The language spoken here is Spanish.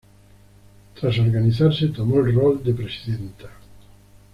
Tras organizarse, tomó el rol de presidenta.